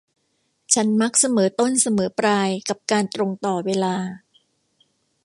ฉันมักเสมอต้นเสมอปลายกับการตรงต่อเวลา